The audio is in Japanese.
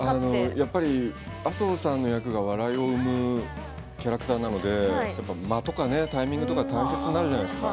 やっぱり麻生さんの役が笑いを生むキャラクターなので間とかタイミングとか大切になるじゃないですか。